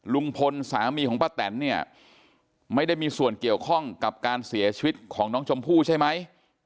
ลุงพลสามีของป้าแตนเนี่ยไม่ได้มีส่วนเกี่ยวข้องกับการเสียชีวิตของน้องชมพู่ใช่ไหม